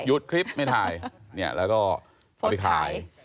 หยุดคลิปไม่ถ่ายเนี่ยแล้วก็พอไปถ่าย